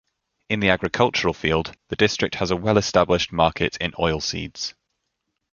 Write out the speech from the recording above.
In the agricultural field, the district has a well established market in oilseeds.